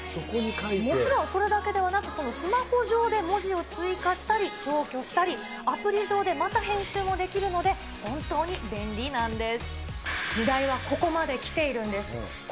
もちろんそれだけではなく、そのスマホ上で文字を追加したり消去したり、アプリ上でまた編集もできるので、本当に便利なんです。